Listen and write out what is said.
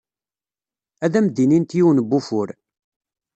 Ad am-d-inint yiwen n wufur.